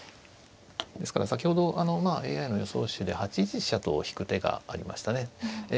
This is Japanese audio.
ですから先ほどＡＩの予想手で８一飛車と引く手がありましたね。